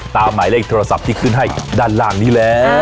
หมายเลขโทรศัพท์ที่ขึ้นให้ด้านล่างนี้แล้ว